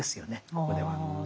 ここでは。